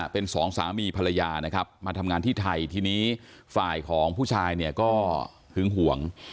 เป็นสองสามีภรรยานะครับมาทำงานที่ไทยทีนี้ฝ่ายของผู้ชายเนี่ยก็หึงห่วง